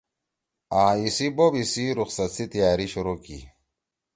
آں ایسی بوب ایسی رخصت سی تیاری شروع کی۔